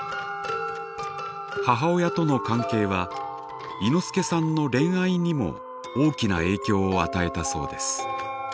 母親との関係はいのすけさんの恋愛にも大きな影響を与えたそうです。